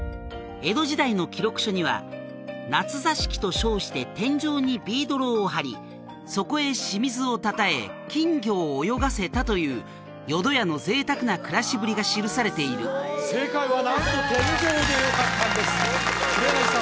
江戸時代の記録書には「夏座敷と称して天井にビードロを張り」「そこへ清水をたたえ金魚を泳がせた」という淀屋の贅沢な暮らしぶりが記されている正解はなんと「天井」でよかったんです黒柳さん